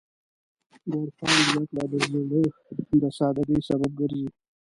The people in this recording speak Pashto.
د عرفان زدهکړه د زړه د سادګۍ سبب ګرځي.